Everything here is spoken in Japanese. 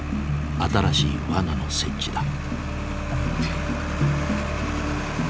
新しいワナの設置だ。